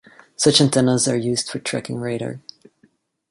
Such antennas are used for tracking radar.